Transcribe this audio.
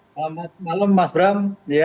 selamat malam mas bram